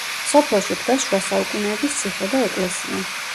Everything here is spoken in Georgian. სოფელში დგას შუა საუკუნეების ციხე და ეკლესია.